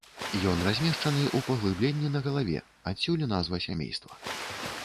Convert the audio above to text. Ён размешчаны ў паглыбленні на галаве, адсюль і назва сямейства.